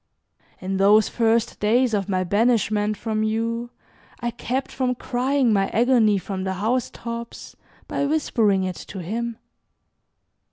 In those first days of my banishment from you I kept from crying my agony from the housetops by whispering it to him.